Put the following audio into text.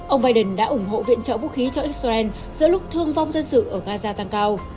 ông biden đã ủng hộ viện trợ vũ khí cho israel giữa lúc thương vong dân sự ở gaza tăng cao